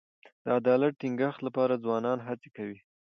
د عدالت د ټینګښت لپاره ځوانان هڅي کوي.